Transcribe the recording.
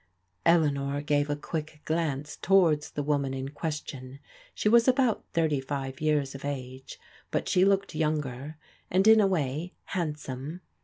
Eleanor gave a quick glance towards the woman in question. She was about thirty five years of age, but she looked younger, and in a way handsome.